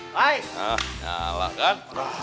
nah nyala kan